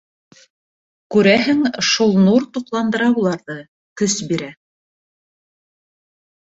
Күрәһең, шул нур туҡландыра уларҙы, көс бирә.